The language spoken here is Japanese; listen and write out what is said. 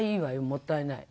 「もったいない」